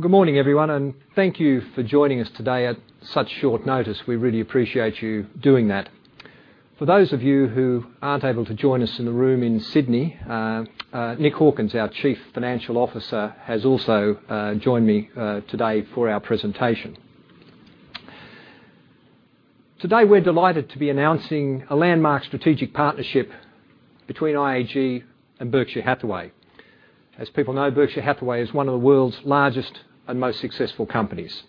Good morning, everyone. Thank you for joining us today at such short notice. We really appreciate you doing that. For those of you who aren't able to join us in the room in Sydney, Nick Hawkins, our Chief Financial Officer, has also joined me today for our presentation. Today, we're delighted to be announcing a landmark strategic partnership between IAG and Berkshire Hathaway. As people know, Berkshire Hathaway is one of the world's largest and most successful companies.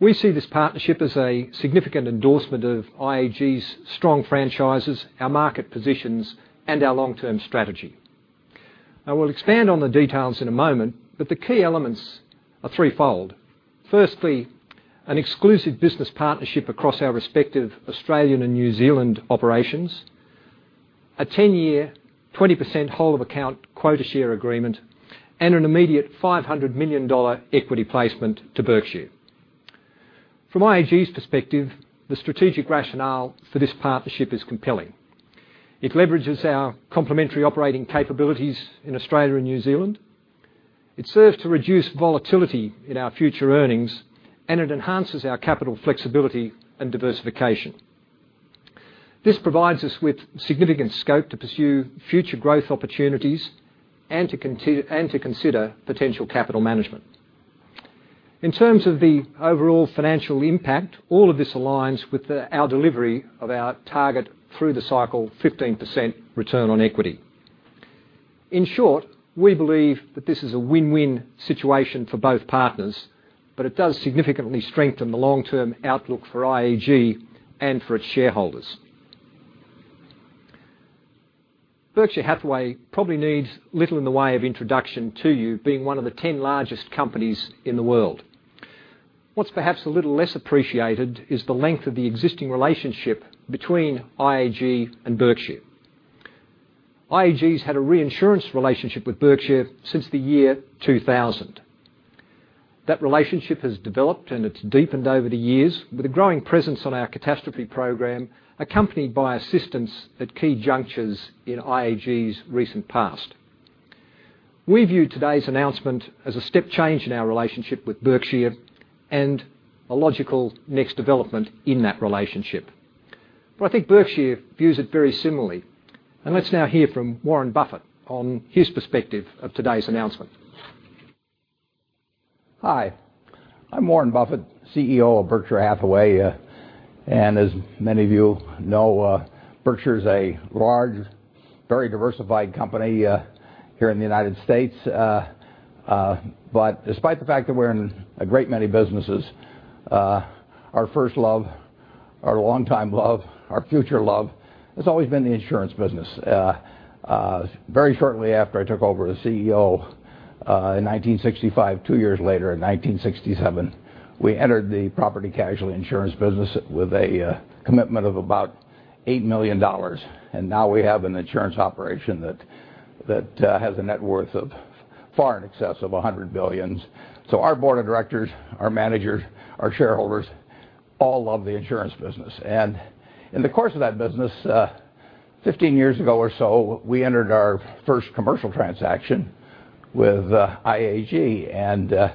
We see this partnership as a significant endorsement of IAG's strong franchises, our market positions, and our long-term strategy. I will expand on the details in a moment, but the key elements are threefold. Firstly, an exclusive business partnership across our respective Australian and New Zealand operations, a 10-year, 20% whole of account quota share agreement, and an immediate 500 million dollar equity placement to Berkshire. From IAG's perspective, the strategic rationale for this partnership is compelling. It leverages our complementary operating capabilities in Australia and New Zealand. It serves to reduce volatility in our future earnings, and it enhances our capital flexibility and diversification. This provides us with significant scope to pursue future growth opportunities and to consider potential capital management. In terms of the overall financial impact, all of this aligns with our delivery of our target through the cycle 15% return on equity. In short, we believe that this is a win-win situation for both partners, but it does significantly strengthen the long-term outlook for IAG and for its shareholders. Berkshire Hathaway probably needs little in the way of introduction to you being one of the 10 largest companies in the world. What's perhaps a little less appreciated is the length of the existing relationship between IAG and Berkshire. IAG's had a reinsurance relationship with Berkshire since the year 2000. That relationship has developed and it's deepened over the years with a growing presence on our catastrophe program, accompanied by assistance at key junctures in IAG's recent past. We view today's announcement as a step change in our relationship with Berkshire and a logical next development in that relationship. I think Berkshire views it very similarly. Let's now hear from Warren Buffett on his perspective of today's announcement. Hi, I'm Warren Buffett, CEO of Berkshire Hathaway. As many of you know, Berkshire's a large, very diversified company here in the U.S. Despite the fact that we're in a great many businesses, our first love, our longtime love, our future love has always been the insurance business. Very shortly after I took over as CEO, in 1965, two years later, in 1967, we entered the property casualty insurance business with a commitment of about $8 million. Now we have an insurance operation that has a net worth of far in excess of $100 billion. Our board of directors, our managers, our shareholders, all love the insurance business. In the course of that business, 15 years ago or so, we entered our first commercial transaction with IAG.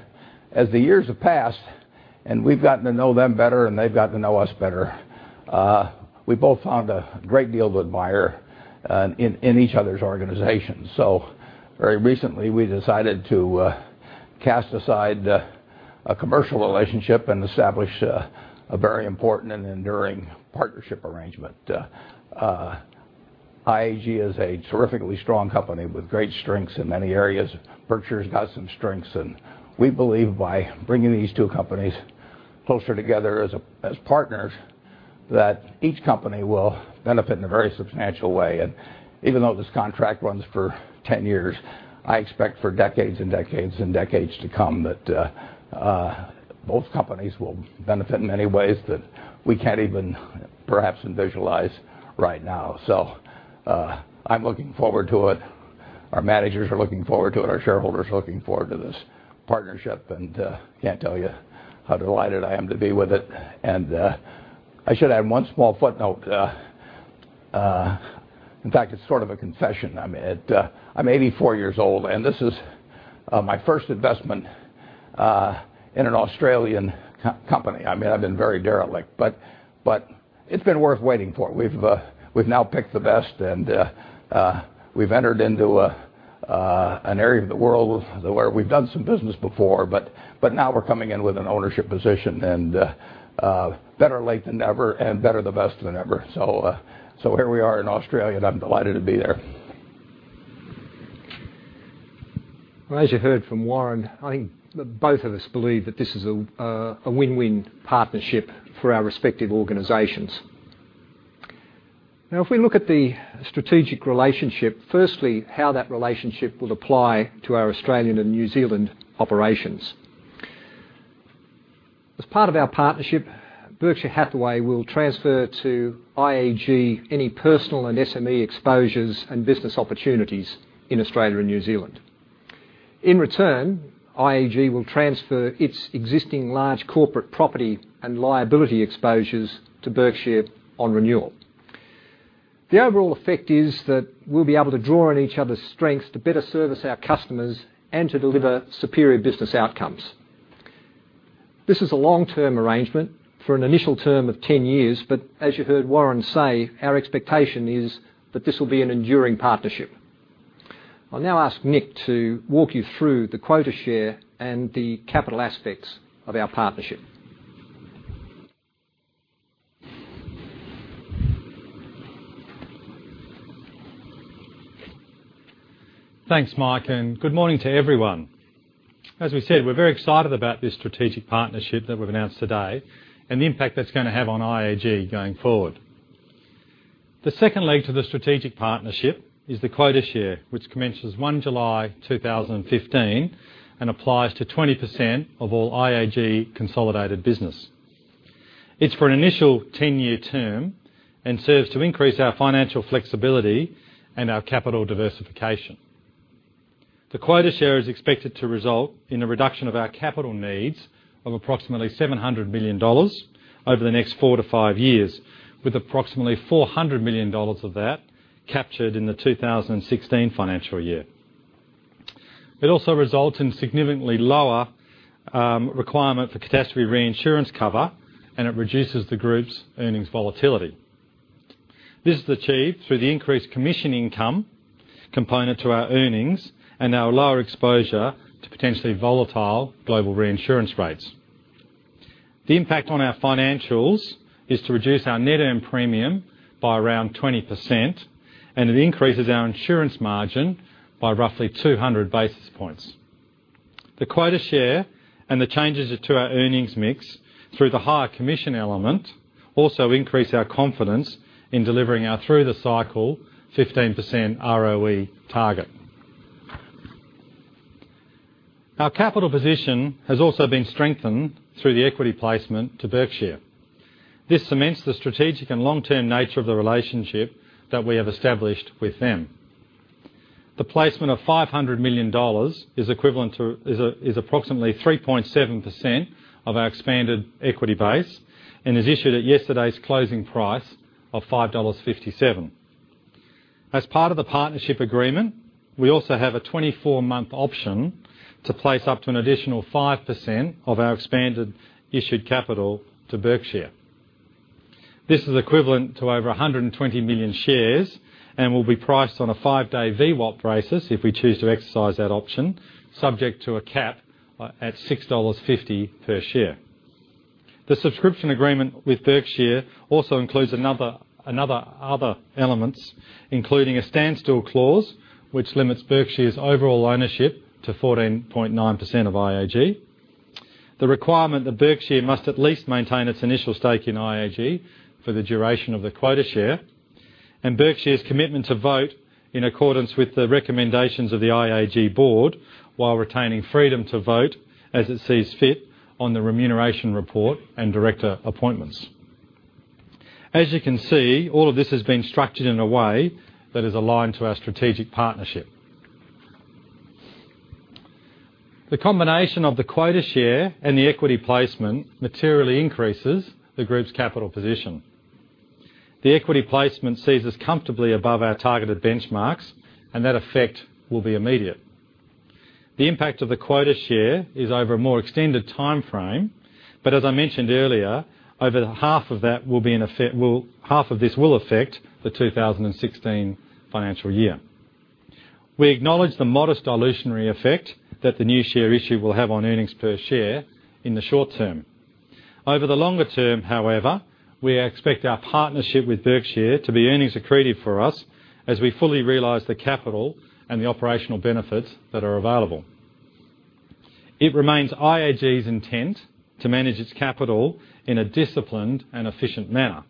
As the years have passed and we've gotten to know them better and they've gotten to know us better, we both found a great deal to admire in each other's organizations. Very recently, we decided to cast aside a commercial relationship and establish a very important and enduring partnership arrangement. IAG is a terrifically strong company with great strengths in many areas. Berkshire's got some strengths, and we believe by bringing these two companies closer together as partners, that each company will benefit in a very substantial way. Even though this contract runs for 10 years, I expect for decades and decades and decades to come that both companies will benefit in many ways that we can't even perhaps visualize right now. I'm looking forward to it. Our managers are looking forward to it. Our shareholders are looking forward to this partnership, and can't tell you how delighted I am to be with it. I should add one small footnote. In fact, it's sort of a confession. I'm 84 years old, and this is my first investment in an Australian company. I've been very derelict, but it's been worth waiting for. We've now picked the best, and we've entered into an area of the world where we've done some business before, but now we're coming in with an ownership position and better late than never and better the best than ever. Here we are in Australia, and I'm delighted to be there. As you heard from Warren, I think both of us believe that this is a win-win partnership for our respective organizations. If we look at the strategic relationship, firstly, how that relationship will apply to our Australian and New Zealand operations. As part of our partnership, Berkshire Hathaway will transfer to IAG any personal and SME exposures and business opportunities in Australia and New Zealand. In return, IAG will transfer its existing large corporate property and liability exposures to Berkshire on renewal. The overall effect is that we'll be able to draw on each other's strengths to better service our customers and to deliver superior business outcomes. This is a long-term arrangement for an initial term of 10 years, but as you heard Warren say, our expectation is that this will be an enduring partnership. I'll now ask Nick to walk you through the quota share and the capital aspects of our partnership. Thanks, Mike, good morning to everyone. As we said, we are very excited about this strategic partnership that we have announced today and the impact that is going to have on IAG going forward. The second leg to the strategic partnership is the quota share, which commences 1 July 2015 and applies to 20% of all IAG consolidated business. It is for an initial 10-year term and serves to increase our financial flexibility and our capital diversification. The quota share is expected to result in a reduction of our capital needs of approximately 700 million dollars over the next four to five years, with approximately 400 million dollars of that captured in the 2016 financial year. It also results in significantly lower requirement for catastrophe reinsurance cover, it reduces the group's earnings volatility. This is achieved through the increased commission income component to our earnings and our lower exposure to potentially volatile global reinsurance rates. The impact on our financials is to reduce our net earned premium by around 20%, it increases our insurance margin by roughly 200 basis points. The quota share and the changes to our earnings mix through the higher commission element also increase our confidence in delivering our through-the-cycle 15% ROE target. Our capital position has also been strengthened through the equity placement to Berkshire. This cements the strategic and long-term nature of the relationship that we have established with them. The placement of 500 million dollars is approximately 3.7% of our expanded equity base and is issued at yesterday's closing price of 5.57 dollars. As part of the partnership agreement, we also have a 24-month option to place up to an additional 5% of our expanded issued capital to Berkshire. This is equivalent to over 120 million shares and will be priced on a five-day VWAP basis if we choose to exercise that option, subject to a cap at 6.50 dollars per share. The subscription agreement with Berkshire also includes other elements, including a standstill clause, which limits Berkshire's overall ownership to 14.9% of IAG. The requirement that Berkshire must at least maintain its initial stake in IAG for the duration of the quota share, Berkshire's commitment to vote in accordance with the recommendations of the IAG board, while retaining freedom to vote as it sees fit on the remuneration report and director appointments. As you can see, all of this has been structured in a way that is aligned to our strategic partnership. The combination of the quota share and the equity placement materially increases the group's capital position. The equity placement sees us comfortably above our targeted benchmarks, that effect will be immediate. The impact of the quota share is over a more extended timeframe, as I mentioned earlier, over half of this will affect the 2016 financial year. We acknowledge the modest dilutionary effect that the new share issue will have on earnings per share in the short term. Over the longer term, however, we expect our partnership with Berkshire to be earnings accretive for us as we fully realize the capital and the operational benefits that are available. It remains IAG's intent to manage its capital in a disciplined and efficient manner,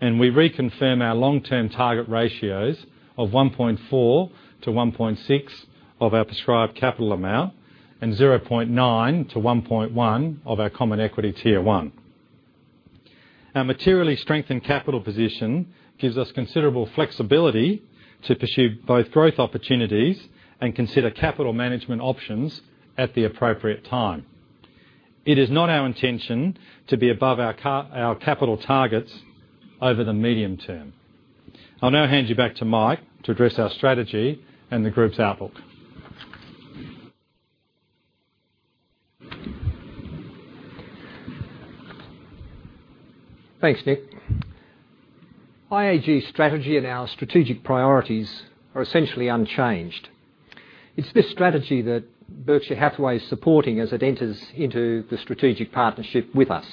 we reconfirm our long-term target ratios of 1.4 to 1.6 of our prescribed capital amount and 0.9 to 1.1 of our Common Equity Tier 1. Our materially strengthened capital position gives us considerable flexibility to pursue both growth opportunities and consider capital management options at the appropriate time. It is not our intention to be above our capital targets over the medium term. I'll now hand you back to Mike to address our strategy and the group's outlook. Thanks, Nick. IAG's strategy and our strategic priorities are essentially unchanged. It's this strategy that Berkshire Hathaway is supporting as it enters into the strategic partnership with us.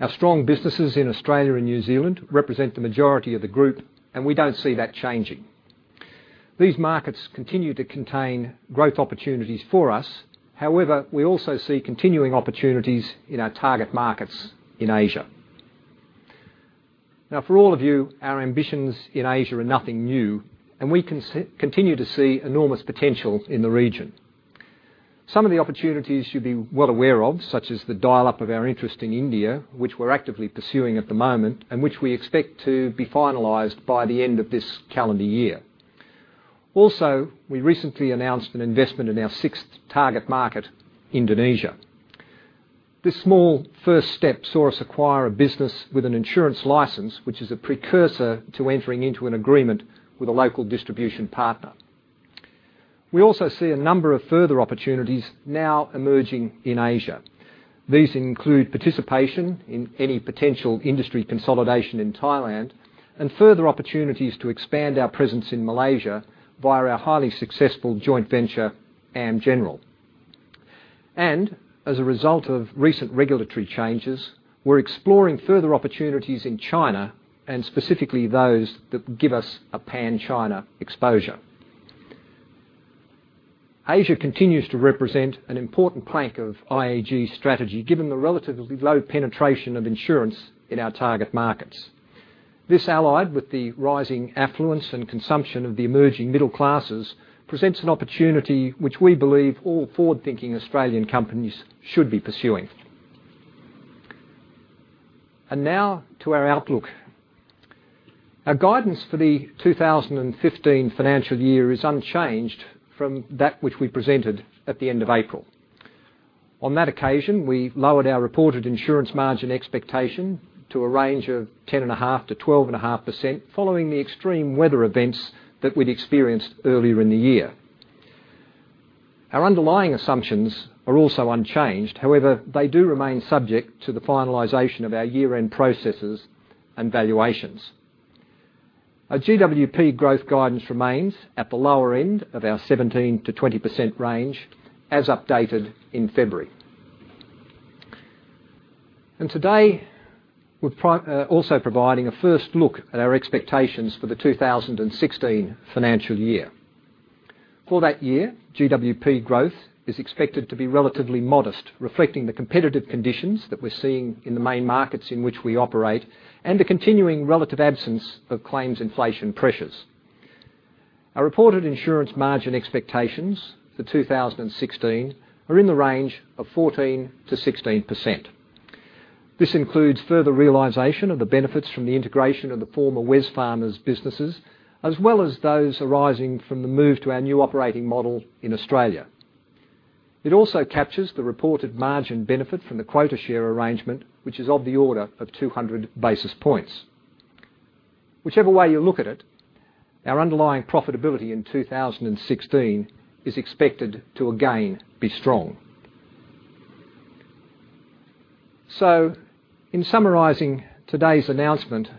Our strong businesses in Australia and New Zealand represent the majority of the group, we don't see that changing. However, we also see continuing opportunities in our target markets in Asia. Now, for all of you, our ambitions in Asia are nothing new, and we continue to see enormous potential in the region. Some of the opportunities you'd be well aware of, such as the dial-up of our interest in India, which we're actively pursuing at the moment, and which we expect to be finalized by the end of this calendar year. Also, we recently announced an investment in our 6th target market, Indonesia. This small first step saw us acquire a business with an insurance license, which is a precursor to entering into an agreement with a local distribution partner. We also see a number of further opportunities now emerging in Asia. These include participation in any potential industry consolidation in Thailand and further opportunities to expand our presence in Malaysia via our highly successful joint venture, AmGeneral. As a result of recent regulatory changes, we're exploring further opportunities in China and specifically those that give us a pan-China exposure. Asia continues to represent an important plank of IAG's strategy, given the relatively low penetration of insurance in our target markets. This, allied with the rising affluence and consumption of the emerging middle classes, presents an opportunity which we believe all forward-thinking Australian companies should be pursuing. Now to our outlook. Our guidance for the 2015 financial year is unchanged from that which we presented at the end of April. On that occasion, we lowered our reported insurance margin expectation to a range of 10.5%-12.5%, following the extreme weather events that we'd experienced earlier in the year. Our underlying assumptions are also unchanged. However, they do remain subject to the finalization of our year-end processes and valuations. Our GWP growth guidance remains at the lower end of our 17%-20% range as updated in February. Today, we're also providing a first look at our expectations for the 2016 financial year. For that year, GWP growth is expected to be relatively modest, reflecting the competitive conditions that we're seeing in the main markets in which we operate and the continuing relative absence of claims inflation pressures. Our reported insurance margin expectations for 2016 are in the range of 14%-16%. This includes further realization of the benefits from the integration of the former Wesfarmers businesses, as well as those arising from the move to our new operating model in Australia. It also captures the reported margin benefit from the quota share arrangement, which is of the order of 200 basis points. Whichever way you look at it, our underlying profitability in 2016 is expected to again be strong. In summarizing today's announcement,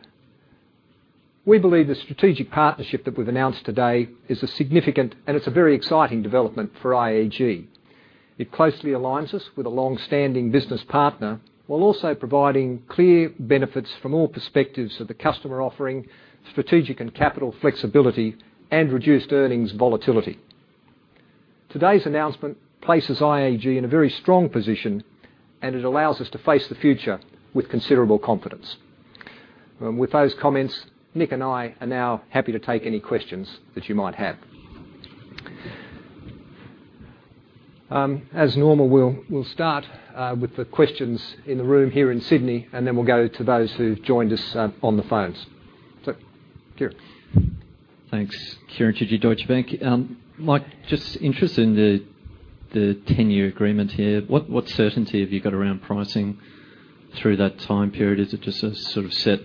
we believe the strategic partnership that we've announced today is a significant and it's a very exciting development for IAG. It closely aligns us with a long-standing business partner while also providing clear benefits from all perspectives of the customer offering, strategic and capital flexibility, and reduced earnings volatility. Today's announcement places IAG in a very strong position, it allows us to face the future with considerable confidence. With those comments, Nick and I are now happy to take any questions that you might have. As normal, we'll start with the questions in the room here in Sydney, then we'll go to those who've joined us on the phones. Kieren. Thanks. Kieren Chidgey, Deutsche Bank. Mike, just interested in the 10-year agreement here. What certainty have you got around pricing through that time period? Is it just a sort of set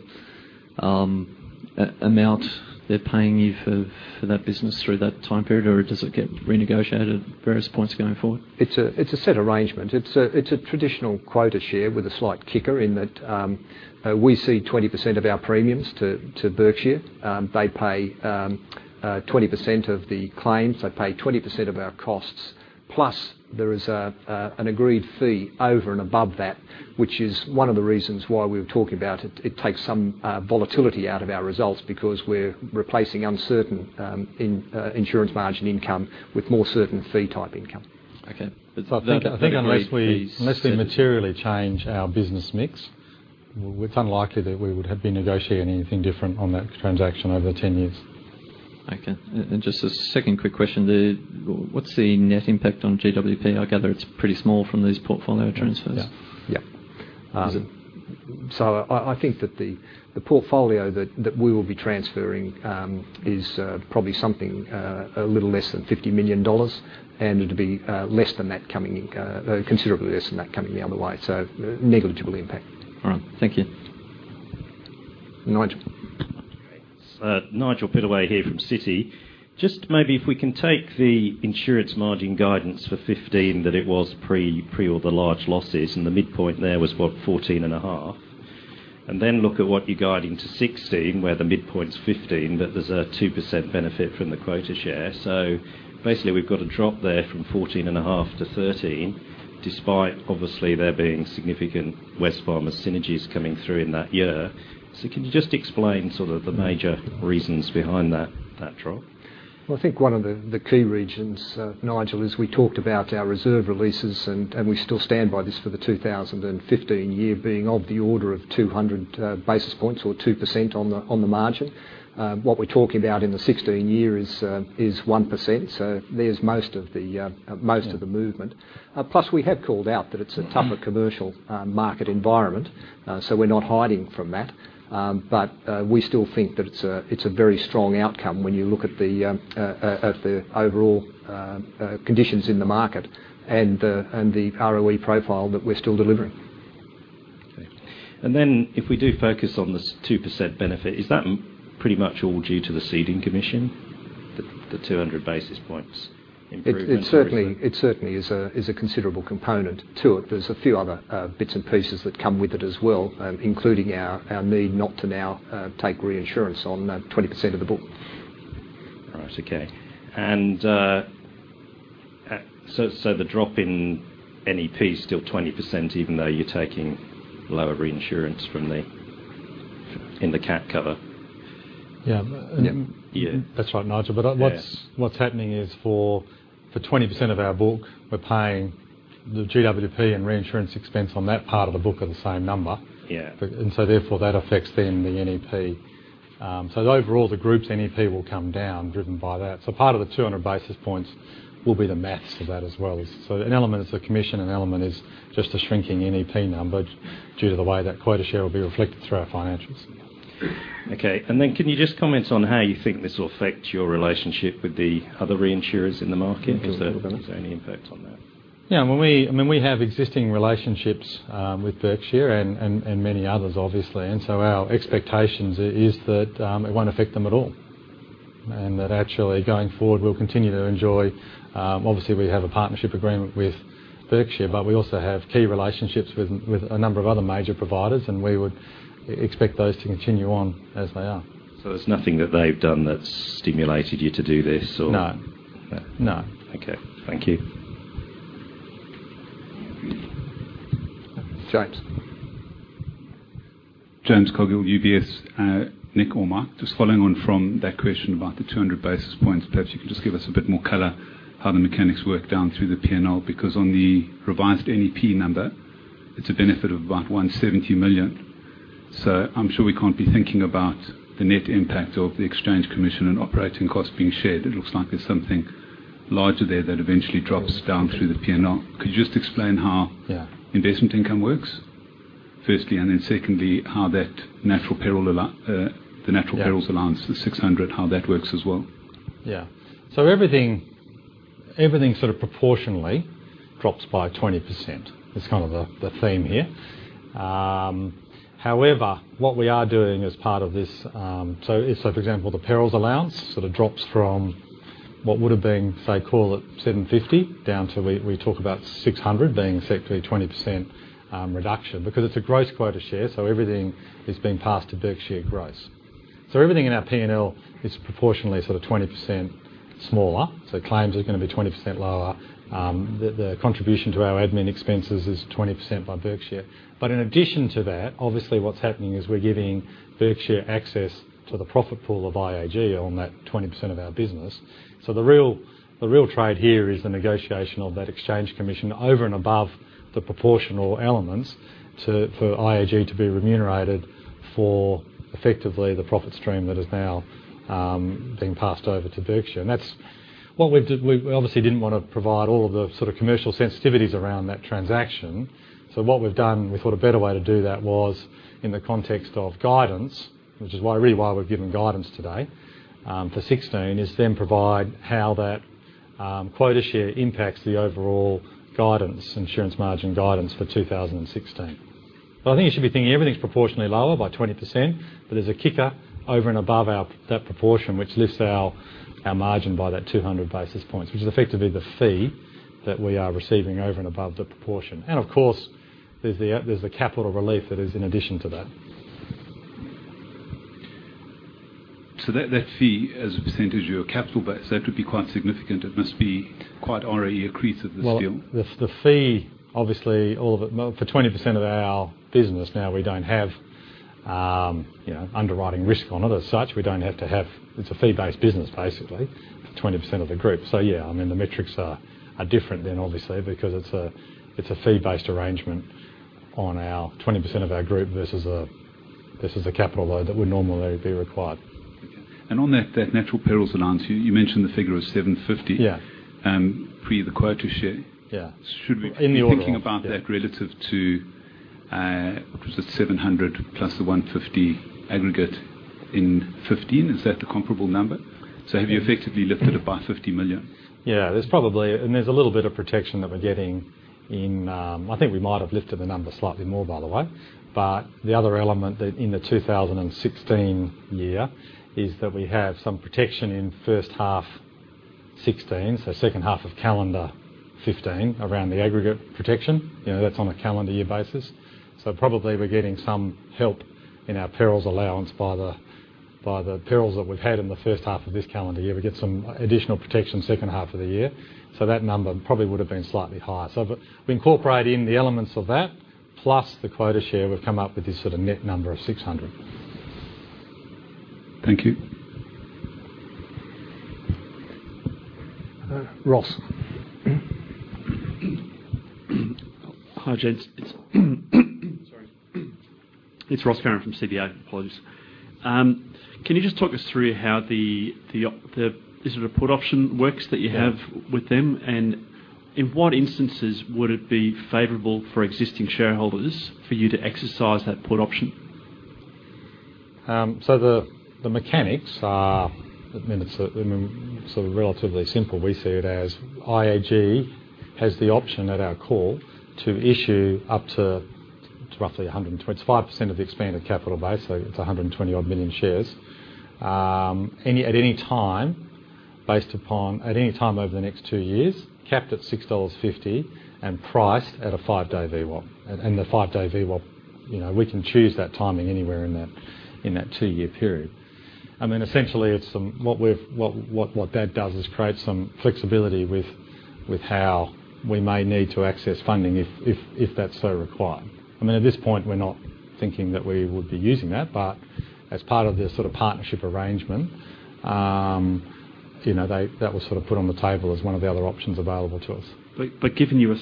amount they're paying you for that business through that time period, or does it get renegotiated various points going forward? It's a set arrangement. It's a traditional quota share with a slight kicker in that we see 20% of our premiums to Berkshire. They pay 20% of the claims. They pay 20% of our costs. Plus, there is an agreed fee over and above that, which is one of the reasons why we were talking about it. It takes some volatility out of our results because we're replacing uncertain insurance margin income with more certain fee-type income. Okay. I think unless we materially change our business mix, it's unlikely that we would have been negotiating anything different on that transaction over 10 years. Okay. Just a second quick question, what's the net impact on GWP? I gather it's pretty small from these portfolio transfers. Yeah. Is it? I think that the portfolio that we will be transferring is probably something a little less than 50 million dollars, and it'll be considerably less than that coming the other way. Negligible impact. All right. Thank you. Nigel. Thanks. Nigel Pittaway here from Citigroup. Just maybe if we can take the insurance margin guidance for 2015 that it was pre all the large losses, and the midpoint there was, what, 14.5%? Then look at what you're guiding to 2016, where the midpoint's 15%, but there's a 2% benefit from the quota share. Basically we've got a drop there from 14.5%-13%, despite obviously there being significant Wesfarmers synergies coming through in that year. Can you just explain sort of the major reasons behind that drop? Well, I think one of the key reasons, Nigel, is we talked about our reserve releases, and we still stand by this for the 2015 year being of the order of 200 basis points or 2% on the margin. What we're talking about in the 2016 year is 1%, there's most of the movement. Plus we have called out that it's a tougher commercial market environment, we're not hiding from that. We still think that it's a very strong outcome when you look at the overall conditions in the market and the ROE profile that we're still delivering. If we do focus on the 2% benefit, is that pretty much all due to the ceding commission, the 200 basis points improvement? It certainly is a considerable component to it. There's a few other bits and pieces that come with it as well, including our need not to now take reinsurance on 20% of the book. The drop in NEP is still 20%, even though you're taking lower reinsurance in the cat cover? Yeah. Yeah. That's right, Nigel. What's happening is for 20% of our book, we're paying the GWP and reinsurance expense on that part of the book are the same number. Yeah. That affects then the NEP. Overall, the group's NEP will come down driven by that. Part of the 200 basis points will be the math for that as well. An element is the commission, an element is just a shrinking NEP number due to the way that quota share will be reflected through our financials. Okay. Then can you just comment on how you think this will affect your relationship with the other reinsurers in the market? Yes. Is there any impact on that? Yeah. We have existing relationships with Berkshire and many others, obviously, so our expectation is that it won't affect them at all, that actually going forward, we'll continue to enjoy Obviously, we have a partnership agreement with Berkshire, but we also have key relationships with a number of other major providers, we would expect those to continue on as they are. There's nothing that they've done that's stimulated you to do this. No. Okay. Thank you. James. James Coghill, UBS. Nick or Mike, just following on from that question about the 200 basis points, perhaps you can just give us a bit more color how the mechanics work down through the P&L, because on the revised NEP number, it's a benefit of about 170 million. I'm sure we can't be thinking about the net impact of the exchange commission and operating costs being shared. It looks like there's something larger there that eventually drops down through the P&L. Could you just explain how- Yeah investment income works, firstly. Then secondly, how the natural perils allowance- Yeah the 600, how that works as well? Yeah. Everything sort of proportionally drops by 20%. That's kind of the theme here. However, what we are doing as part of this, for example, the perils allowance sort of drops from what would've been, say, call it 750 down to, we talk about 600 being effectively a 20% reduction because it's a gross quota share, so everything is being passed to Berkshire gross. Everything in our P&L is proportionally sort of 20% smaller, so claims are going to be 20% lower. The contribution to our admin expenses is 20% by Berkshire. In addition to that, obviously what's happening is we're giving Berkshire access to the profit pool of IAG on that 20% of our business. The real trade here is the negotiation of that exchange commission over and above the proportional elements for IAG to be remunerated for effectively the profit stream that is now being passed over to Berkshire. We obviously didn't want to provide all of the sort of commercial sensitivities around that transaction. What we've done, we thought a better way to do that was in the context of guidance, which is really why we've given guidance today for 2016, is then provide how that quota share impacts the overall insurance margin guidance for 2016. I think you should be thinking everything's proportionally lower by 20%, but there's a kicker over and above that proportion, which lifts our margin by that 200 basis points, which is effectively the fee that we are receiving over and above the proportion. Of course, there's the capital relief that is in addition to that. That fee as a percentage of your capital base, that would be quite significant. It must be quite already accretive to this deal. Well, the fee, obviously, for 20% of our business now, we don't have underwriting risk on it as such. It's a fee-based business, basically, for 20% of the group. Yeah, I mean, the metrics are different then obviously because it's a fee-based arrangement on 20% of our group versus a capital load that would normally be required. Okay. On that natural perils allowance, you mentioned the figure of 750- Yeah pre the quota share. Yeah. Should we- In the order be thinking about that relative to, what was it? 700 plus the 150 aggregate in 2015, is that the comparable number? Have you effectively lifted it by 50 million? Yeah. There's probably a little bit of protection that we're getting in I think we might have lifted the number slightly more, by the way, but the other element in the 2016 year is that we have some protection in the first half 2016, second half of calendar 2015, around the aggregate protection. That's on a calendar year basis. Probably we're getting some help in our perils allowance by the perils that we've had in the first half of this calendar year. We get some additional protection second half of the year. That number probably would've been slightly higher. We incorporate in the elements of that, plus the quota share, we've come up with this sort of net number of 600. Thank you. Ross. Hi, gents. Sorry. It's Ross Farren from CBA. Apologies. Can you just talk us through how the sort of put option works that you have with them? In what instances would it be favorable for existing shareholders for you to exercise that put option? The mechanics are sort of relatively simple. We see it as IAG has the option at our call to issue up to roughly 125% of the expanded capital base, so it's 120 odd million shares, at any time over the next two years, capped at 6.50 dollars and priced at a five-day VWAP. The five-day VWAP, we can choose that timing anywhere in that two-year period. Essentially, what that does is create some flexibility with how we may need to access funding if that's so required. At this point, we're not thinking that we would be using that. As part of this sort of partnership arrangement, that was sort of put on the table as one of the other options available to us. Given you are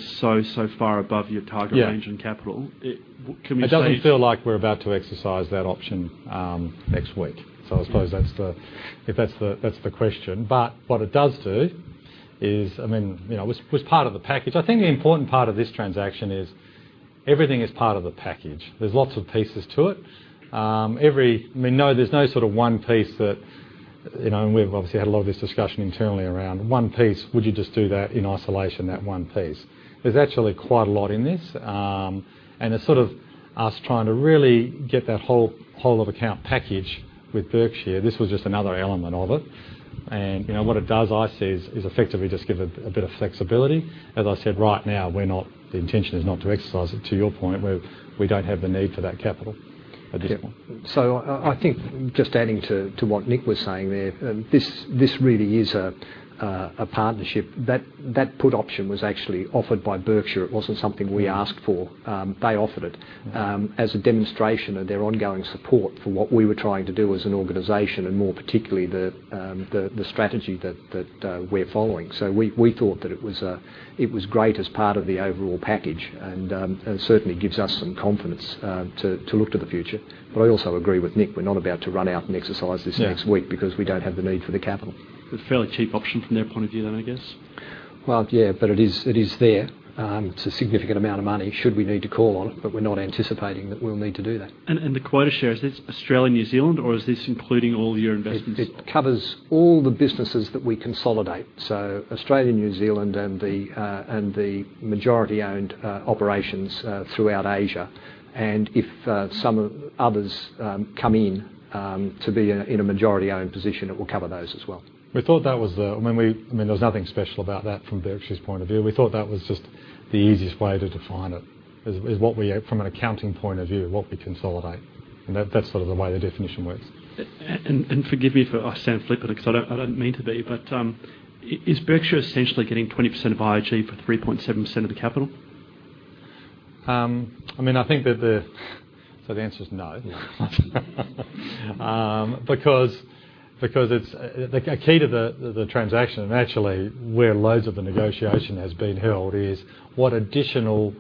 so far above your target range in capital. Yeah Can we say? It doesn't feel like we're about to exercise that option next week. I suppose if that's the question. What it does do is, it was part of the package. I think the important part of this transaction is everything is part of the package. There's lots of pieces to it. There's no sort of one piece, and we've obviously had a lot of this discussion internally around one piece, would you just do that in isolation, that one piece? There's actually quite a lot in this, and it's sort of us trying to really get that whole of account package with Berkshire. This was just another element of it. What it does, I see, is effectively just give a bit of flexibility. As I said, right now, the intention is not to exercise it, to your point, we don't have the need for that capital at this point. I think just adding to what Nick was saying there, this really is a partnership. That put option was actually offered by Berkshire. It wasn't something we asked for. They offered it as a demonstration of their ongoing support for what we were trying to do as an organization, and more particularly, the strategy that we're following. We thought that it was great as part of the overall package, and certainly gives us some confidence to look to the future. I also agree with Nick, we're not about to run out and exercise this next week because we don't have the need for the capital. It's a fairly cheap option from their point of view then, I guess. Yeah. It is there. It's a significant amount of money, should we need to call on it, we're not anticipating that we'll need to do that. The quota shares, is this Australia, New Zealand, or is this including all your investments? It covers all the businesses that we consolidate. Australia, New Zealand, and the majority-owned operations throughout Asia. If some others come in to be in a majority-owned position, it will cover those as well. There was nothing special about that from Berkshire's point of view. We thought that was just the easiest way to define it, from an accounting point of view, what we consolidate. That's sort of the way the definition works. Forgive me if I sound flippant, because I don't mean to be. Is Berkshire essentially getting 20% of IAG for 3.7% of the capital? I think the answer's no. A key to the transaction, and actually where loads of the negotiation has been held, is what additional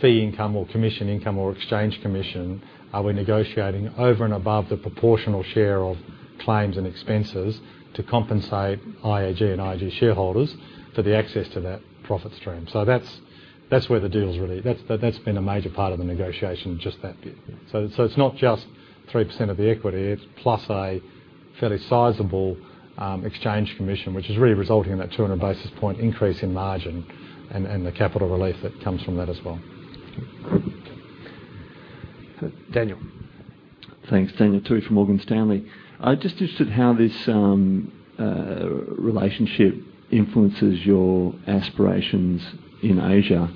fee income or commission income or exchange commission are we negotiating over and above the proportional share of claims and expenses to compensate IAG and IAG shareholders for the access to that profit stream. That's where the deal is really. That's been a major part of the negotiation, just that bit. It's not just 3% of the equity, it's plus a fairly sizable exchange commission, which is really resulting in that 200 basis point increase in margin and the capital relief that comes from that as well. Daniel. Thanks. Daniel Tuohy from Morgan Stanley. Just interested how this relationship influences your aspirations in Asia.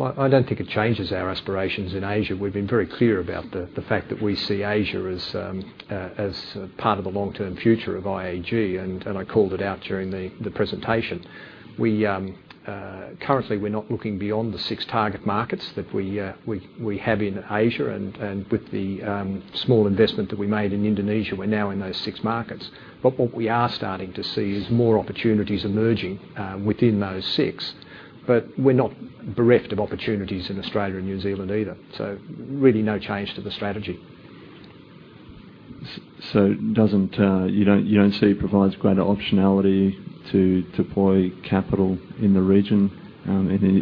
I don't think it changes our aspirations in Asia. We've been very clear about the fact that we see Asia as part of the long-term future of IAG, and I called it out during the presentation. Currently, we're not looking beyond the six target markets that we have in Asia, and with the small investment that we made in Indonesia, we're now in those six markets. What we are starting to see is more opportunities emerging within those six. We're not bereft of opportunities in Australia and New Zealand either. Really no change to the strategy. You don't see it provides greater optionality to deploy capital in the region?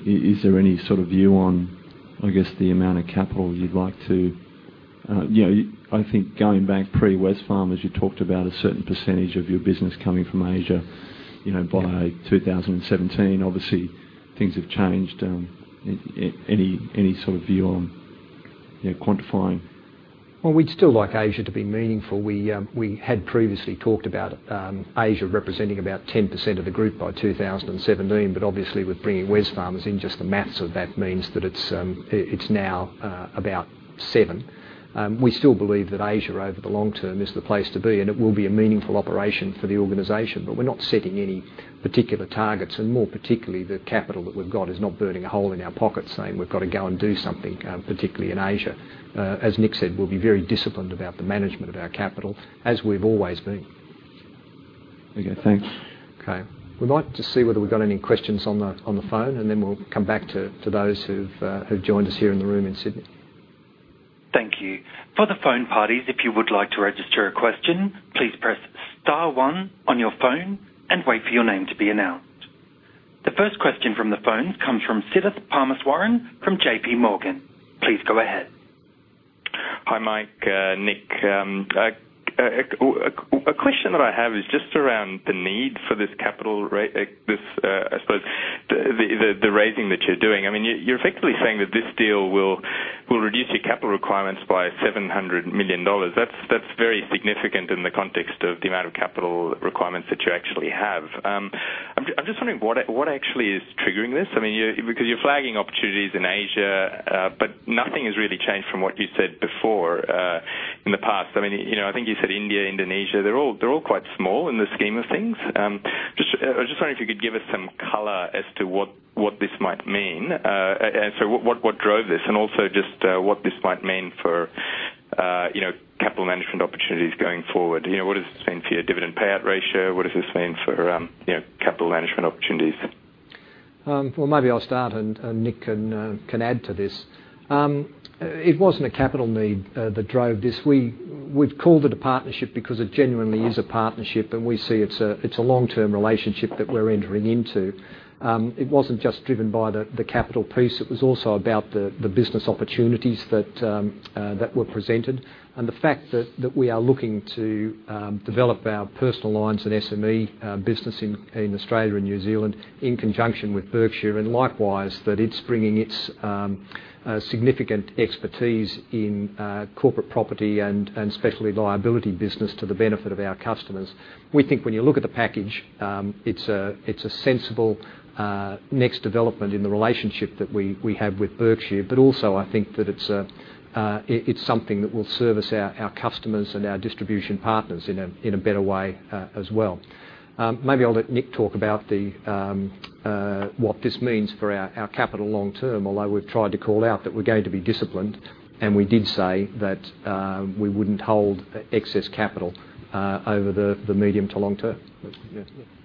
Is there any sort of view on, I guess, the amount of capital you'd like to I think going back pre Wesfarmers, you talked about a certain percentage of your business coming from Asia by 2017. Obviously, things have changed. Any sort of view on quantifying? We'd still like Asia to be meaningful. We had previously talked about Asia representing about 10% of the group by 2017. Obviously, with bringing Wesfarmers in, just the maths of that means that it's now about seven. We still believe that Asia over the long term is the place to be, and it will be a meaningful operation for the organization. We're not setting any particular targets. More particularly, the capital that we've got is not burning a hole in our pocket saying we've got to go and do something, particularly in Asia. As Nick said, we'll be very disciplined about the management of our capital, as we've always been. Okay, thanks. Okay. We might just see whether we've got any questions on the phone, then we'll come back to those who've joined us here in the room in Sydney. Thank you. For the phone parties, if you would like to register a question, please press star one on your phone and wait for your name to be announced. The first question from the phone comes from Siddharth Parameswaran from JP Morgan. Please go ahead. Hi, Mike, Nick. A question that I have is just around the need for this capital, I suppose the raising that you're doing. You're effectively saying that this deal will reduce your capital requirements by 700 million dollars. That's very significant in the context of the amount of capital requirements that you actually have. I'm just wondering what actually is triggering this. You're flagging opportunities in Asia, but nothing has really changed from what you said before in the past. I think you said India, Indonesia, they're all quite small in the scheme of things. I was just wondering if you could give us some color as to what this might mean. Sorry, what drove this, and also just what this might mean for capital management opportunities going forward. What does this mean for your dividend payout ratio? What does this mean for capital management opportunities? Maybe I'll start and Nick can add to this. It wasn't a capital need that drove this. We've called it a partnership because it genuinely is a partnership, and we see it's a long-term relationship that we're entering into. It wasn't just driven by the capital piece. It was also about the business opportunities that were presented, and the fact that we are looking to develop our personal lines and SME business in Australia and New Zealand in conjunction with Berkshire, likewise, that it's bringing its significant expertise in corporate property and specialty liability business to the benefit of our customers. We think when you look at the package, it's a sensible next development in the relationship that we have with Berkshire. Also I think that it's something that will service our customers and our distribution partners in a better way as well. Maybe I'll let Nick talk about what this means for our capital long term, although we've tried to call out that we're going to be disciplined, and we did say that we wouldn't hold excess capital over the medium to long term.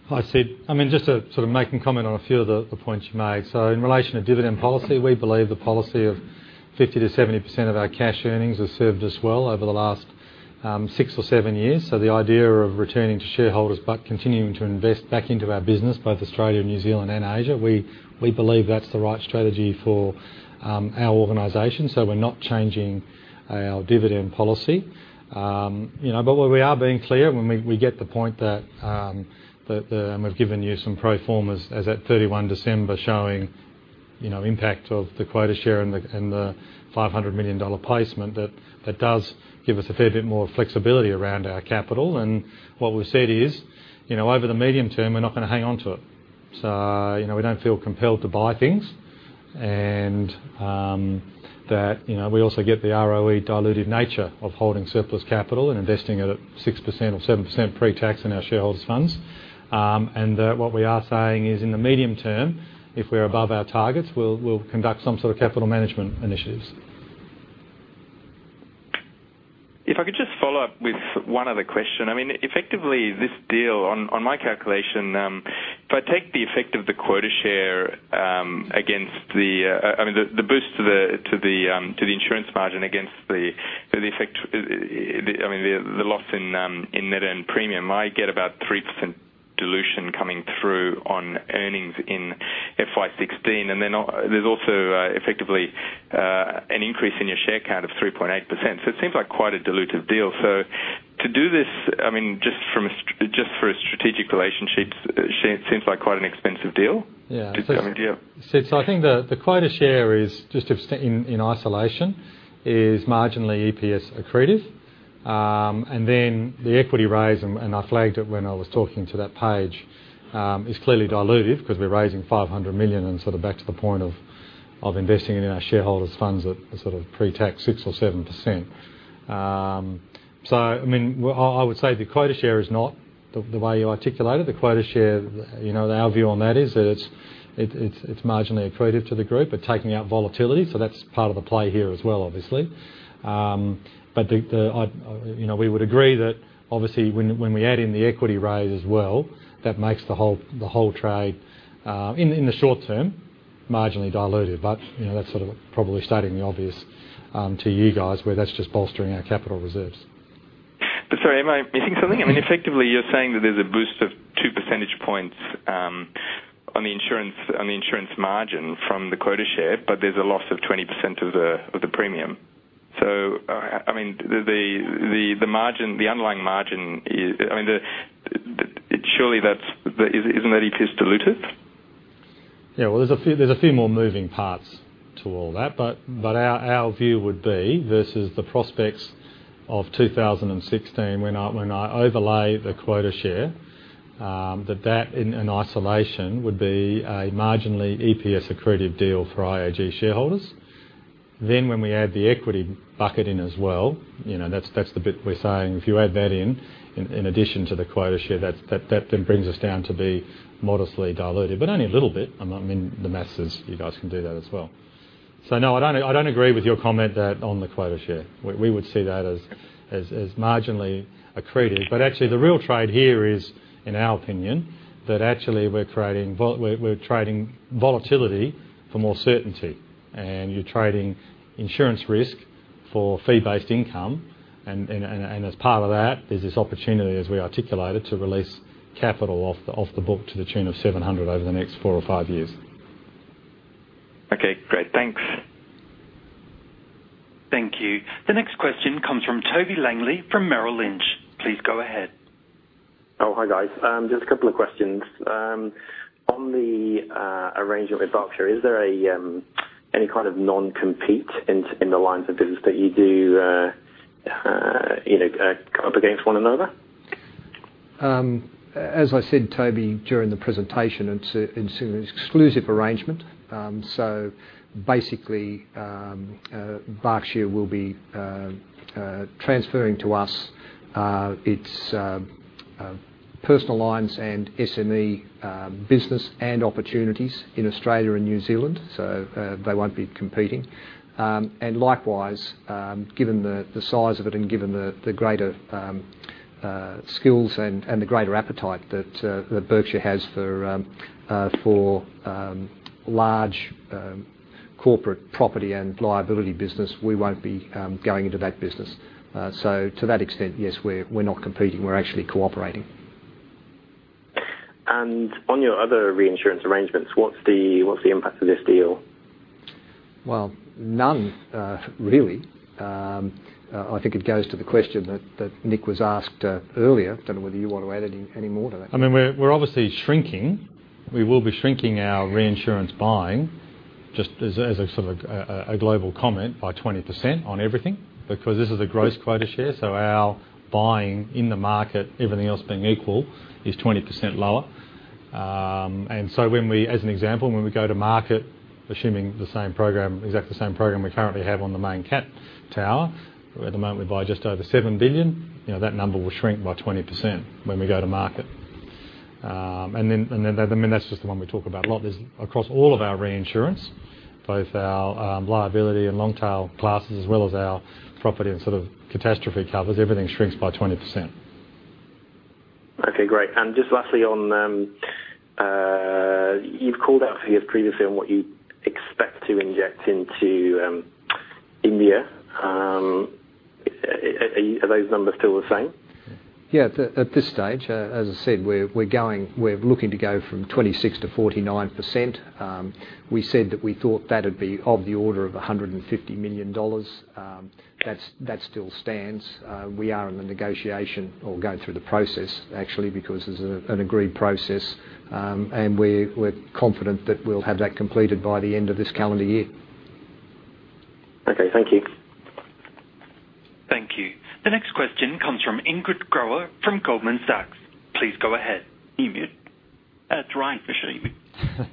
Hi, Sid. Just to sort of make a comment on a few of the points you made. In relation to dividend policy, we believe the policy of 50%-70% of our cash earnings has served us well over the last six or seven years. The idea of returning to shareholders but continuing to invest back into our business, both Australia, New Zealand, and Asia, we believe that's the right strategy for our organization. We're not changing our dividend policy. Where we are being clear when we get the point that we've given you some pro formas as at 31 December showing impact of the quota share and the 500 million dollar placement, that does give us a fair bit more flexibility around our capital. What we've said is, over the medium term, we're not going to hang on to it. We don't feel compelled to buy things, and that we also get the ROE dilutive nature of holding surplus capital and investing it at 6% or 7% pre-tax in our shareholders' funds. What we are saying is in the medium term, if we're above our targets, we'll conduct some sort of capital management initiatives. If I could just follow up with one other question. Effectively this deal, on my calculation, if I take the effect of the quota share against the boost to the insurance margin against the effect, the loss in net earned premium, I get about 3% dilution coming through on earnings in FY 2016. Then there's also effectively an increase in your share count of 3.8%. It seems like quite a dilutive deal. To do this just for a strategic relationship seems like quite an expensive deal. Yeah. Do you have- Sid, I think the quota share in isolation is marginally EPS accretive. The equity rise, and I flagged it when I was talking to that page, is clearly dilutive because we're raising 500 million and sort of back to the point of investing it in our shareholders' funds at sort of pre-tax 6% or 7%. I would say the quota share is not the way you articulated. The quota share, our view on that is that it's marginally accretive to the group. We're taking out volatility, that's part of the play here as well obviously. We would agree that obviously when we add in the equity rise as well, that makes the whole trade, in the short term, marginally dilutive. That's sort of probably stating the obvious to you guys, where that's just bolstering our capital reserves. Sorry, am I missing something? Effectively you're saying that there's a boost of two percentage points on the insurance margin from the quota share, there's a loss of 20% of the premium. The underlying margin, surely isn't that EPS dilutive? Yeah. Well, there's a few more moving parts to all that, our view would be versus the prospects of 2016 when I overlay the quota share, that that in isolation would be a marginally EPS accretive deal for IAG shareholders. When we add the equity bucket in as well, that's the bit we're saying if you add that in addition to the quota share, that brings us down to be modestly dilutive, only a little bit. I mean, the masses, you guys can do that as well. No, I don't agree with your comment that on the quota share. We would see that as marginally accretive. Actually the real trade here is, in our opinion, that actually we're trading volatility for more certainty, and you're trading insurance risk for fee-based income, and as part of that, there's this opportunity, as we articulated, to release capital off the book to the tune of $700 over the next four or five years. Okay, great. Thanks. Thank you. The next question comes from Toby Langley from Merrill Lynch. Please go ahead. Oh, hi guys. Just a couple of questions. On the arrangement with Berkshire, is there any kind of non-compete in the lines of business that you do come up against one another? As I said, Toby, during the presentation, it's an exclusive arrangement. Basically, Berkshire will be transferring to us its personal lines and SME business and opportunities in Australia and New Zealand, so they won't be competing. Likewise, given the size of it and given the greater skills and the greater appetite that Berkshire has for large corporate property and liability business, we won't be going into that business. To that extent, yes, we're not competing. We're actually cooperating. On your other reinsurance arrangements, what's the impact of this deal? Well, none, really. I think it goes to the question that Nick was asked earlier. Don't know whether you want to add any more to that. We're obviously shrinking. We will be shrinking our reinsurance buying, just as a sort of global comment, by 20% on everything, because this is a gross quota share, so our buying in the market, everything else being equal, is 20% lower. As an example, when we go to market, assuming the exact same program we currently have on the main catastrophe tower, at the moment, we buy just over $7 billion. That number will shrink by 20% when we go to market. That's just the one we talk about a lot. There's across all of our reinsurance, both our liability and long tail classes, as well as our property and sort of catastrophe covers, everything shrinks by 20%. Okay, great. Just lastly, you've called out for years previously on what you expect to inject into India. Are those numbers still the same? Yeah, at this stage, as I said, we're looking to go from 26% to 49%. We said that we thought that'd be of the order of $150 million. That still stands. We are in the negotiation or going through the process, actually, because there's an agreed process, we're confident that we'll have that completed by the end of this calendar year. Okay, thank you. Thank you. The next question comes from Ingrid Groer from Goldman Sachs. Please go ahead. You're mute. It's Ryan Fisher.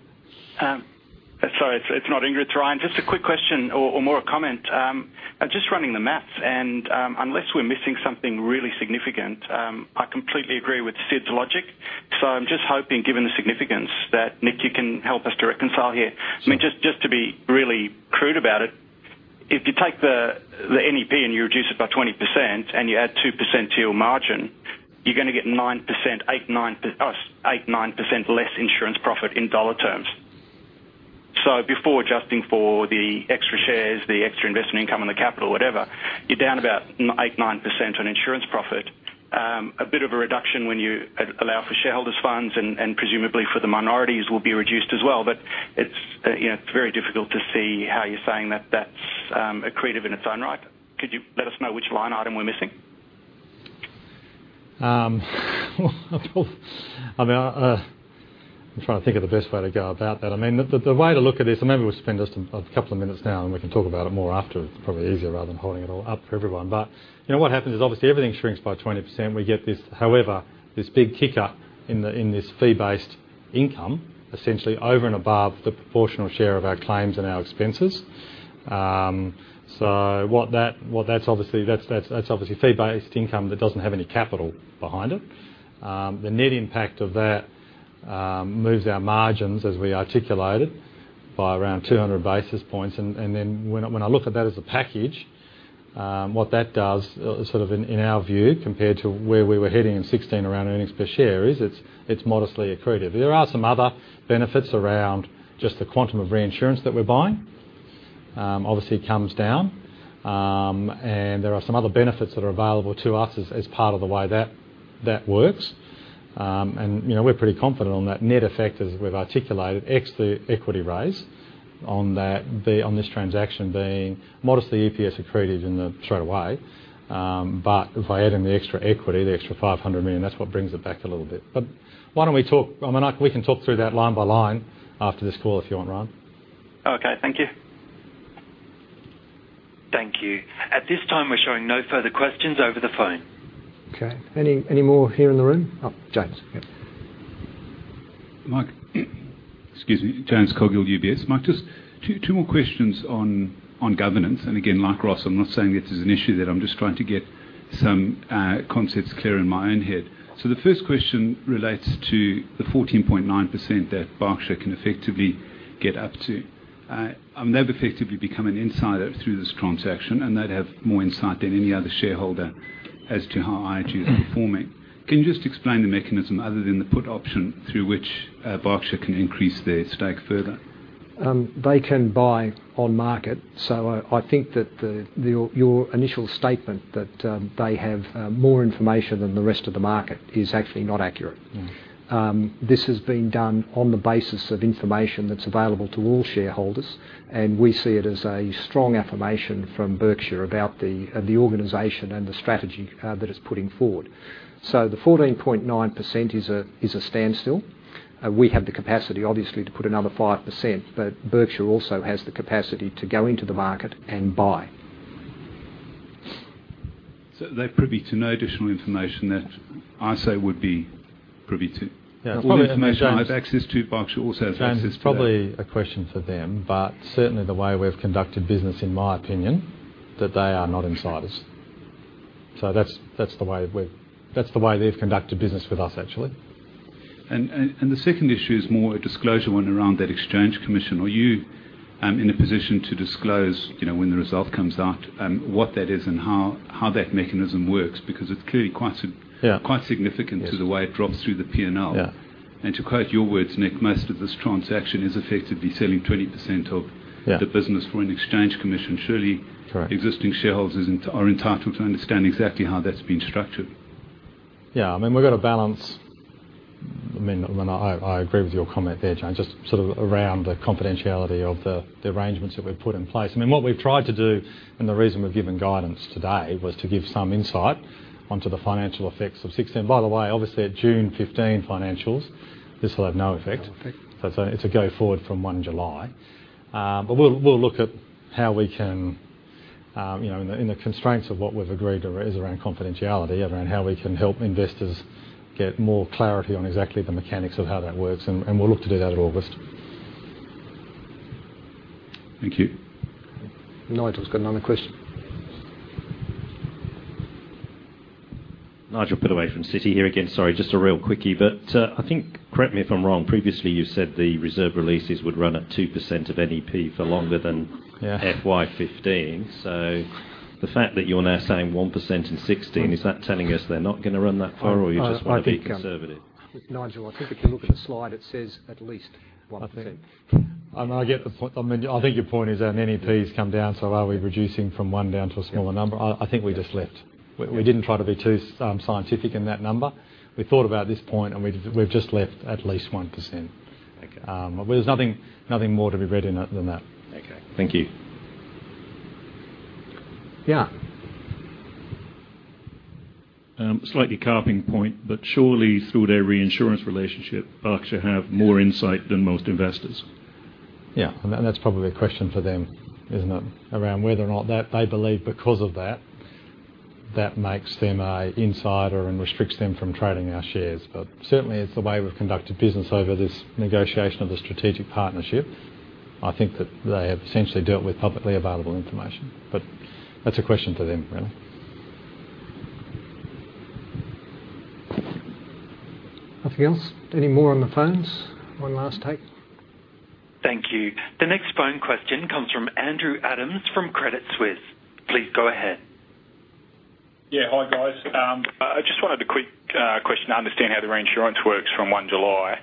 Sorry, it's not Ingrid. It's Ryan. Just a quick question or more a comment. I'm just running the maths, unless we're missing something really significant, I completely agree with Sid's logic. I'm just hoping, given the significance, that Nick, you can help us to reconcile here. Sure. Just to be really crude about it, if you take the NEP and you reduce it by 20% and you add 2% to your margin, you're going to get 8, 9% less insurance profit in AUD terms. Before adjusting for the extra shares, the extra investment income and the capital, whatever, you're down about 8, 9% on insurance profit. A bit of a reduction when you allow for shareholders' funds, presumably for the minorities will be reduced as well. It's very difficult to see how you're saying that that's accretive in its own right. Could you let us know which line item we're missing? I'm trying to think of the best way to go about that. The way to look at this, maybe we'll spend just a couple of minutes now and we can talk about it more after, it's probably easier rather than holding it all up for everyone. What happens is obviously everything shrinks by 20%. We get this, however, this big kicker in this fee-based income, essentially over and above the proportional share of our claims and our expenses. That's obviously fee-based income that doesn't have any capital behind it. The net impact of that moves our margins, as we articulated, by around 200 basis points. When I look at that as a package, what that does in our view, compared to where we were heading in 2016 around earnings per share, is it's modestly accretive. There are some other benefits around just the quantum of reinsurance that we're buying. Obviously, it comes down. There are some other benefits that are available to us as part of the way that works. We're pretty confident on that net effect as we've articulated, ex the equity raise on this transaction being modestly EPS accretive in the straightaway. Via adding the extra equity, the extra 500 million, that's what brings it back a little bit. We can talk through that line by line after this call if you want, Ryan. Okay, thank you. Thank you. At this time, we're showing no further questions over the phone. Okay. Any more here in the room? Oh, James. Yeah. Mike. Excuse me. James Coghill, UBS. Mike, just two more questions on governance. Again, like Ross, I'm not saying it is an issue, that I'm just trying to get some concepts clear in my own head. The first question relates to the 14.9% that Berkshire can effectively get up to. They've effectively become an insider through this transaction, and they'd have more insight than any other shareholder as to how IAG is performing. Can you just explain the mechanism other than the put option through which Berkshire can increase their stake further? They can buy on market. I think that your initial statement that they have more information than the rest of the market is actually not accurate. This has been done on the basis of information that's available to all shareholders, and we see it as a strong affirmation from Berkshire about the organization and the strategy that it's putting forward. The 14.9% is a standstill. We have the capacity, obviously, to put another 5%, but Berkshire also has the capacity to go into the market and buy. They're privy to no additional information that I say would be privy to? Yeah. All the information I have access to, Berkshire also has access to that. James, it's probably a question for them, but certainly the way we've conducted business, in my opinion, that they are not insiders. That's the way they've conducted business with us, actually. The second issue is more a disclosure one around that exchange commission. Are you in a position to disclose when the result comes out what that is and how that mechanism works? Because it's clearly quite significant- Yeah to the way it drops through the P&L. Yeah. To quote your words, Nick, most of this transaction is effectively selling 20% of- Yeah the business for an exchange commission. Correct existing shareholders are entitled to understand exactly how that's been structured. Yeah. We've got to balance I agree with your comment there, James, just sort of around the confidentiality of the arrangements that we've put in place. What we've tried to do, and the reason we've given guidance today, was to give some insight onto the financial effects of 2016. By the way, obviously our June 2015 financials, this will have no effect. No effect. It's a go forward from one July. We'll look at how we can, in the constraints of what we've agreed is around confidentiality, around how we can help investors get more clarity on exactly the mechanics of how that works, and we'll look to do that in August. Thank you. Nigel's got another question. Nigel Pittaway from Citigroup here again. Sorry, just a real quickie, I think, correct me if I'm wrong, previously you said the reserve releases would run at 2% of NEP for longer than- Yeah FY 2015. The fact that you're now saying 1% in 2016, is that telling us they're not going to run that far, or you just want to be conservative? I think, Nigel, I think if you look at the slide, it says at least 1%. I think your point is our NEP has come down, are we reducing from one down to a smaller number? I think we just left. We didn't try to be too scientific in that number. We thought about this point, we've just left at least 1%. Okay. There's nothing more to be read in than that. Okay. Thank you. Yeah. Slightly carping point, surely through their reinsurance relationship, Berkshire have more insight than most investors. Yeah. That's probably a question for them, isn't it? Around whether or not they believe because of that makes them a insider and restricts them from trading our shares. Certainly it's the way we've conducted business over this negotiation of the strategic partnership. I think that they have essentially dealt with publicly available information, that's a question for them, really. Nothing else? Any more on the phones? One last take. Thank you. The next phone question comes from Andrew Adams from Credit Suisse. Please go ahead. Yeah. Hi, guys. I just wanted a quick question to understand how the reinsurance works from one July.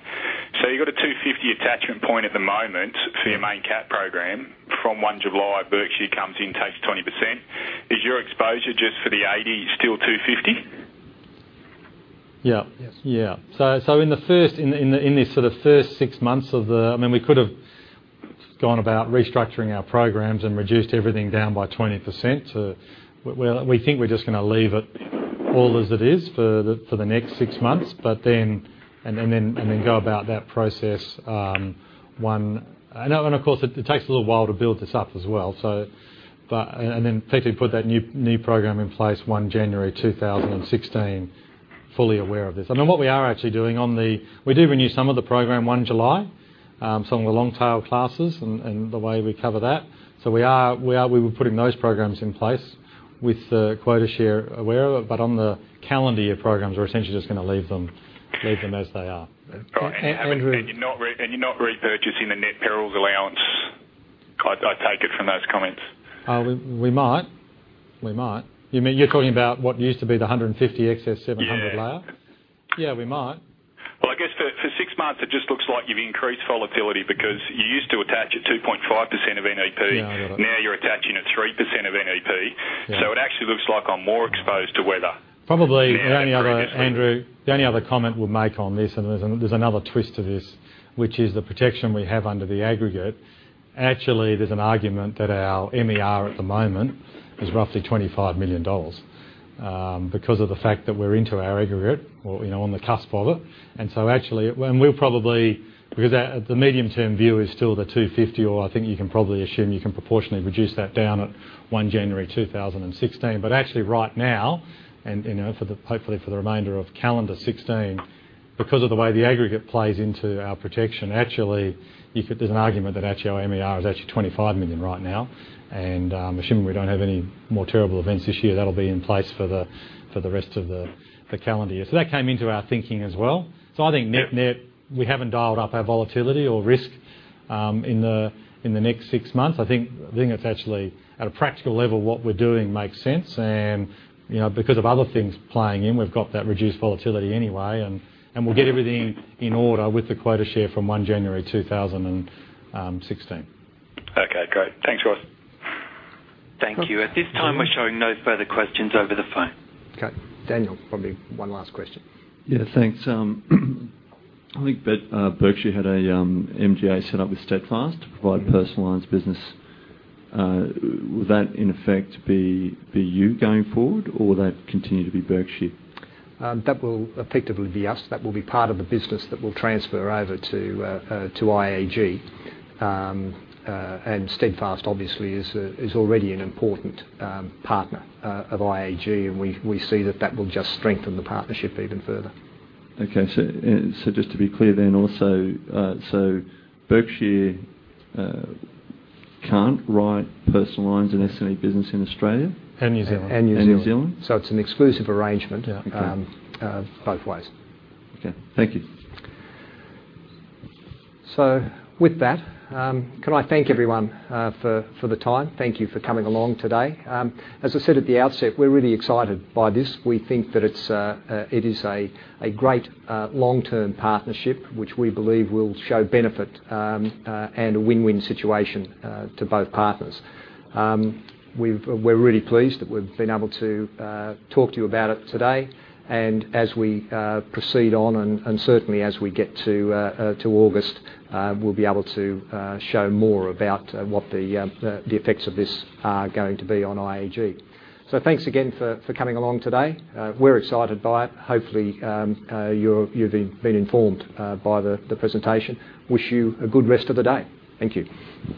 You've got a $250 attachment point at the moment for your main cap program. From one July, Berkshire comes in, takes 20%. Is your exposure just for the 80 still $250? Yeah. Yes. Yeah. We could have gone about restructuring our programs and reduced everything down by 20%. We think we're just going to leave it all as it is for the next six months, and then go about that process. Of course, it takes a little while to build this up as well. Effectively put that new program in place one January 2016, fully aware of this. What we are actually doing, we do renew some of the program one July, some of the long tail classes and the way we cover that. We were putting those programs in place with quota share. On the calendar year programs, we're essentially just going to leave them as they are. Andrew. You're not repurchasing the net perils allowance, I take it from those comments? We might. You're talking about what used to be the 150 excess 700 layer? Yeah. Yeah, we might. Well, I guess for six months it just looks like you've increased volatility because you used to attach at 2.5% of NEP. Yeah. Now you're attaching at 3% of NEP. Yeah. It actually looks like I'm more exposed to weather. Probably, Andrew, the only other comment we'll make on this, and there's another twist to this, which is the protection we have under the aggregate. Actually, there's an argument that our MER at the moment is roughly 25 million dollars because of the fact that we're into our aggregate or on the cusp of it. Actually, and we're probably, because the medium term view is still the 250, or I think you can probably assume you can proportionately reduce that down at 1 January 2016. Actually right now, and hopefully for the remainder of calendar 2016, because of the way the aggregate plays into our protection, actually there's an argument that actually our MER is actually 25 million right now. Assuming we don't have any more terrible events this year, that'll be in place for the rest of the calendar year. That came into our thinking as well. I think net-net, we haven't dialed up our volatility or risk in the next six months. I think it's actually at a practical level, what we're doing makes sense, and because of other things playing in, we've got that reduced volatility anyway, and we'll get everything in order with the quota share from 1 January 2016. Okay, great. Thanks, Ross. Thank you. At this time, we're showing no further questions over the phone. Okay. Daniel, probably one last question. Yeah, thanks. I think Berkshire had a MGA set up with Steadfast to provide personal lines business. Will that, in effect, be you going forward, or will that continue to be Berkshire? That will effectively be us. That will be part of the business that will transfer over to IAG. Steadfast obviously is already an important partner of IAG, and we see that will just strengthen the partnership even further. Okay. Just to be clear then also, Berkshire can't write personal lines and SME business in Australia? New Zealand. New Zealand. It's an exclusive arrangement- Okay both ways. Okay. Thank you. With that, can I thank everyone for the time. Thank you for coming along today. As I said at the outset, we're really excited by this. We think that it is a great long-term partnership, which we believe will show benefit, and a win-win situation to both partners. We're really pleased that we've been able to talk to you about it today, and as we proceed on, and certainly as we get to August, we'll be able to show more about what the effects of this are going to be on IAG. Thanks again for coming along today. We're excited by it. Hopefully, you've been informed by the presentation. Wish you a good rest of the day. Thank you.